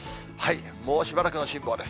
もうしばらくの辛抱です。